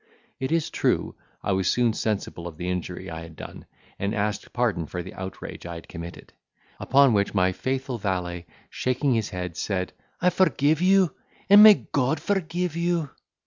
It is true, I was soon sensible of the injury I had done, and asked pardon for the outrage I had committed; upon which my faithful valet, shaking his head, said, "I forgive you, and may God forgive you!"